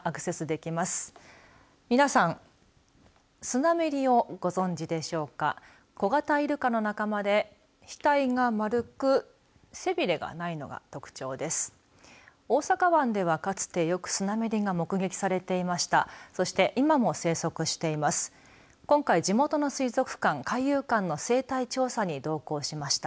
大阪湾では、かつてよくスナメリが目撃されていました。